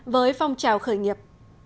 với phong trào khởi nghiệp